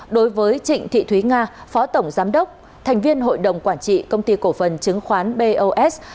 đối với trịnh thị thúy nga phó tổng giám đốc thành viên hội đồng quản trị công ty cổ phần chứng khoán bos